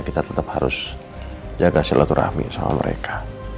kita tetep harus jaga selaturahmi sama mereka